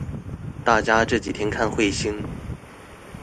大家這幾天看慧星